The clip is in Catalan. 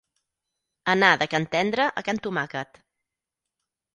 Anar de can Tendre a can Tomàquet.